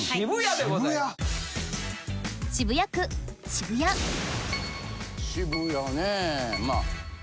渋谷ねまぁ。